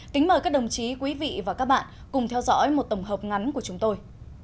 kính mời các đồng chí quý vị và các bạn cùng theo dõi một tổng hợp ngắn của chúng tôi